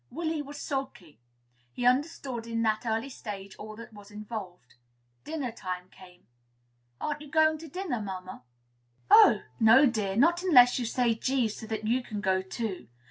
Willy was sulky. He understood in that early stage all that was involved. Dinner time came. "Aren't you going to dinner, mamma?" "Oh! no, dear; not unless you say G, so that you can go too.